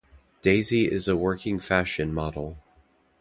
Daisy is a working fashion model.